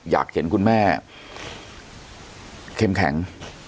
อยากเห็นคุณแม่เข้มแข็ง